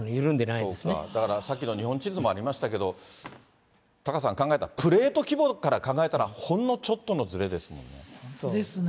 そうか、だからさっきの日本の地図もありましたけれども、タカさん、考えたらプレート規模から考えたら、ほんのちょっとのずですね。